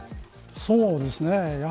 そうですね。